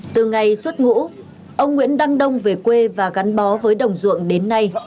từ ngày xuất ngũ ông nguyễn đăng đông về quê và gắn bó với đồng ruộng đến nay